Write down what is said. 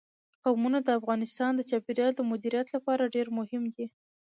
قومونه د افغانستان د چاپیریال د مدیریت لپاره ډېر مهم دي.